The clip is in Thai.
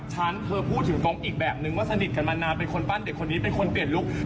การถูกติดกันมานานเป็นคนปั้นเด็กคนนี้เป็นคนเปลี่ยนรุ่ง